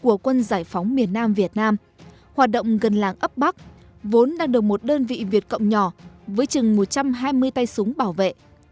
của quân giải phóng miền nam việt nam hoạt động gần làng ấp bắc vốn đang được một đơn vị việt cộng nhỏ với chừng một trăm hai mươi tay súng bảo vệ